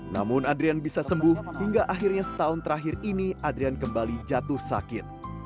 namun adrian bisa sembuh hingga akhirnya setahun terakhir ini adrian kembali jatuh sakit